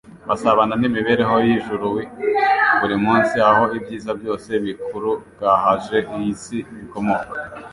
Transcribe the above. basabana n'imibereho y'ijurui buri munsi aho ibyiza byose bikurugahaje iyi si bikomoka.